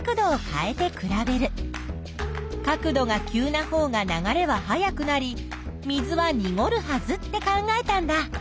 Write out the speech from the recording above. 角度が急なほうが流れは速くなり水はにごるはずって考えたんだ。